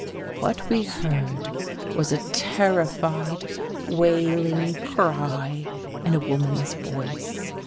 What we heard was a terrified wailing cry in a woman's voice.